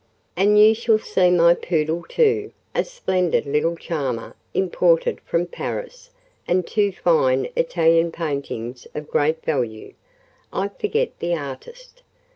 And you shall see my poodle, too: a splendid little charmer imported from Paris: and two fine Italian paintings of great value—I forget the artist.